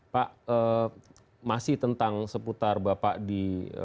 pak masih tentang seputar bapak di